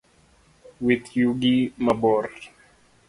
Wit yugi mabor